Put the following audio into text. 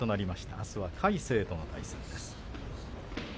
あすは魁聖との対戦です。